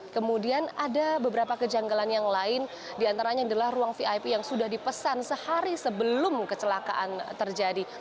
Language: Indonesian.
kemudian ada beberapa kejanggalan yang lain diantaranya adalah ruang vip yang sudah dipesan sehari sebelum kecelakaan terjadi